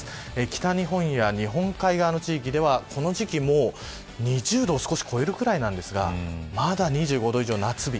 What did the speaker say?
北日本や日本海側の地域ではこの時期もう２０度を少し超えるぐらいなんですがまだ２５度以上の夏日。